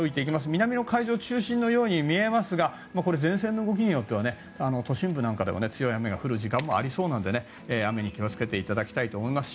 南の海上中心のように見えますがこれは前線の動きによっては都心部なんかでは強い雨が降る時間もありそうなので雨に気をつけていただきたいと思います。